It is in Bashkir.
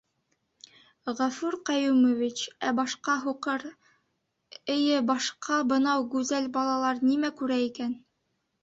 — Ғәфүр Ҡәйүмович, ә башҡа һуҡыр... эйе, башҡа бынау гүзәл балалар нимә күрә икән?